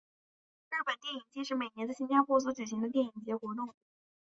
日本电影祭是每年在新加坡所举行的电影节活动。